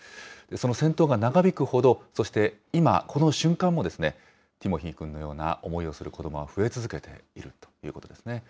その戦闘が長引くほど、そして今、この瞬間も、ティモフィ君のような思いをする子どもは増え続けているということですね。